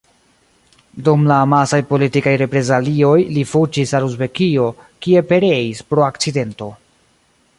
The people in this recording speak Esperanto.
Dum la amasaj politikaj reprezalioj li fuĝis al Uzbekio, kie pereis pro akcidento.